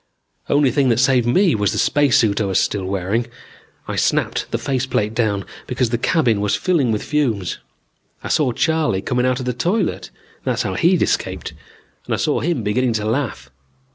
Only thing that saved me was the spacesuit I was still wearing. I snapped the face plate down because the cabin was filling with fumes. I saw Charley coming out of the toilet that's how he'd escaped and I saw him beginning to laugh.